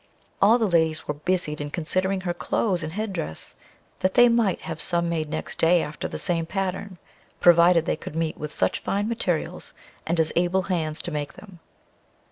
All the ladies were busied in considering her clothes and head dress, that they might have some made next day after the same pattern, provided they could meet with such fine materials, and as able hands to make them.